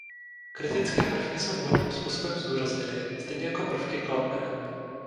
Kritické prvky jsou vhodným způsobem zdůrazněny, stejně jako prvky kladné.